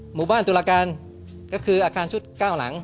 หมู่บ้านตุรการก็คืออาคารชุด๙หลัง